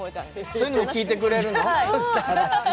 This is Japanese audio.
そういうの聞いてくれるの？